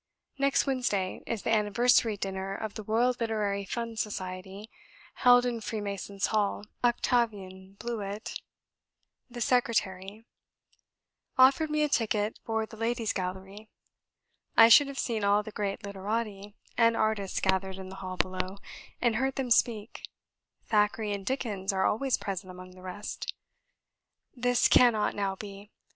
Next Wednesday is the anniversary dinner of the Royal Literary Fund Society, held in Freemasons' Hall. Octavian Blewitt, the secretary, offered me a ticket for the ladies' gallery. I should have seen all the great literati and artists gathered in the hall below, and heard them speak; Thackeray and Dickens are always present among the rest. This cannot now be.